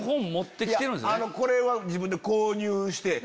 これは自分で購入して。